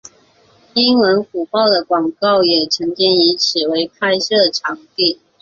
英文虎报的广告也曾经以此为拍摄场地。